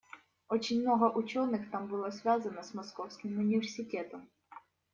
Очень много ученых там было связано с Московским университетом.